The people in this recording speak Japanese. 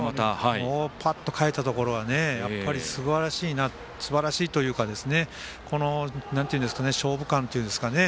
パッと代えたところはやっぱり、すばらしいというか勝負勘というんですかね。